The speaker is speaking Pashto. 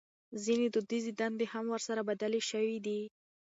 ځينې دوديزې دندې هم ورسره بدلې شوې دي.